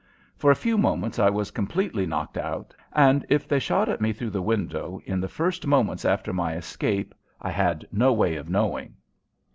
For a few moments I was completely knocked out, and if they shot at me through the window, in the first moments after my escape, I had no way of knowing.